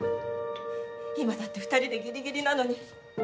今だって２人でギリギリなのに。